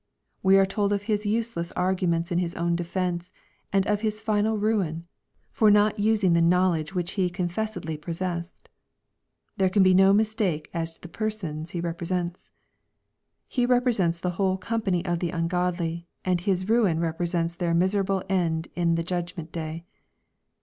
— We are told of his use less arguments in his own defence, and of his final ruin, for not using the knowledge which he confessedlypossessed. There can be no mistake as to the persons he represents. — He represents the whole company of the ungodly ; and his ruin represents their miserable end in the judgment day.